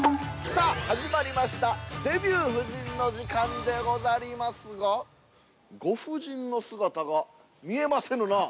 ◆さあ始まりました、「デビュー夫人」の時間でござりますが、ご夫人の姿が見えませぬな。